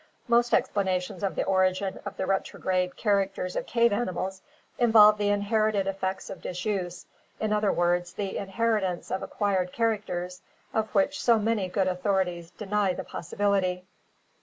Most explanations of the origin of the retrograde characters of cave animals involve the inherited effects of disuse, in other words, the inheritance of acquired characters, of which so many good authorities deny the possibility.